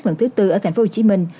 lần thứ tư ở thành phố hồ chí minh